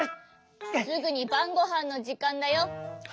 すぐにばんごはんのじかんだよ。